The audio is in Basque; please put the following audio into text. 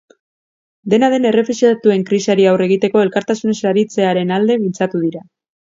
Dena den, errefuxiatuen krisiari aurre egiteko elkartasunez aritzearen alde mintzatu dira.